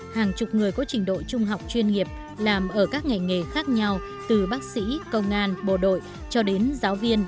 hàng chục người có trình độ trung học chuyên nghiệp làm ở các ngành nghề khác nhau từ bác sĩ công an bộ đội cho đến giáo viên